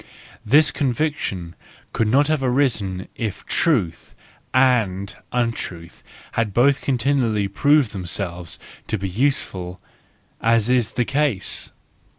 This conviction could not have arisen if truth and untruth had both continually proved themselves to be use¬ ful : as is the case.